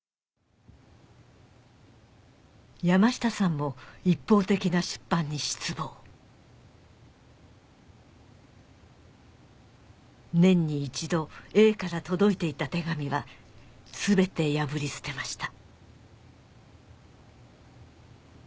山下さんも一方的な出版に失望年に１度 Ａ から届いていた手紙は全て破り捨てました